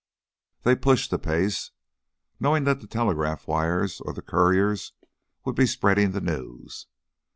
They pushed the pace, knowing that the telegraph wires or the couriers would be spreading the news.